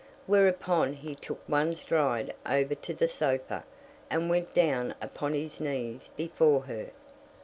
Whereupon he took one stride over to the sofa, and went down upon his knees before her.